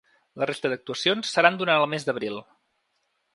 La resta d’actuacions seran durant el mes d’abril.